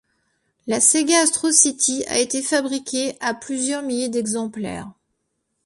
La Sega Astro City a été fabriquée à plusieurs milliers d'exemplaires.